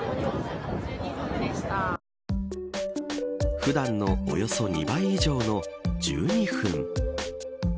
普段のおよそ２倍以上の１２分。